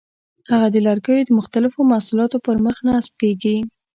هغه د لرګیو د مختلفو محصولاتو پر مخ نصب کېږي.